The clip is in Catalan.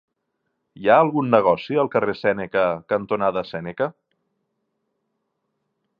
Hi ha algun negoci al carrer Sèneca cantonada Sèneca?